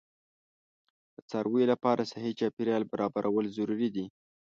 د څارویو لپاره صحي چاپیریال برابرول ضروري دي.